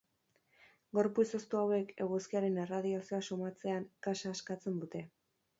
Gorpu izoztu hauek, eguzkiaren erradioazioa somatzean, gasa askatzen dute.